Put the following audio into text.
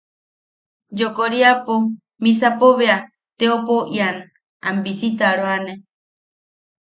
Yokoriapo misapo bea, teopou ian am bisitaroane.